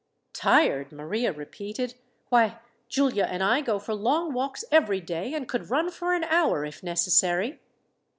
"Tired!" Maria repeated. "Why, Giulia and I go for long walks every day, and could run for an hour, if necessary."